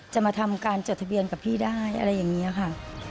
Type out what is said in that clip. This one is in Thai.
จะมาทำการจดทะเบียนกับพี่ได้อะไรอย่างนี้ค่ะ